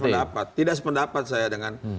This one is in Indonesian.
tidak sependapat tidak sependapat saya dengan